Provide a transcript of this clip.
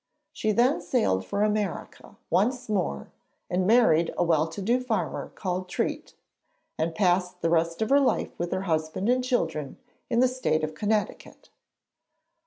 She then sailed for America once more, and married a well to do farmer called Treat, and passed the rest of her life with her husband and children in the State of Connecticut.